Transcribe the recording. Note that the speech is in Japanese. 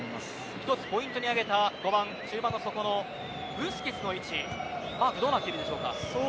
一つポイントに挙げた５番中盤の底のブスケツの位置、マークどうなっているでしょうか。